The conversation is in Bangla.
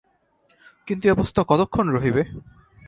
কিন্তু এ অবস্থা কতক্ষণ রহিবে!